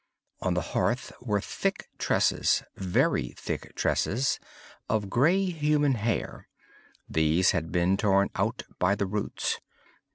On the hearth were thick tresses—very thick tresses—of grey human hair. These had been torn out by the roots.